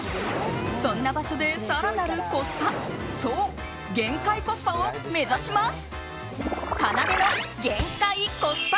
そんな場所で更なるコスパそう、限界コスパを目指します。